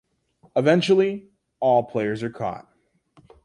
Eventually, all players are caught.